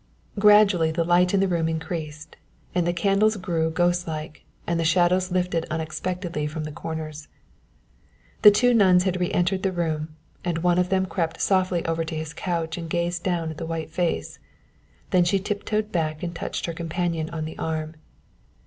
Gradually the light in the room increased, and the candles grew ghostlike, and the shadows lifted unexpectedly from the corners. The two nuns had re entered the room, and one of them crept softly over to his couch and gazed down at the white face. Then she tiptoed back and touched her companion on the arm.